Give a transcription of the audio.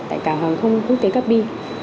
tại cả hàng không quốc tế cáp bi